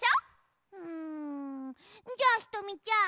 うんじゃあひとみちゃん。